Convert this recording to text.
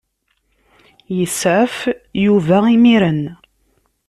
Yesɛef Yuba imir-n.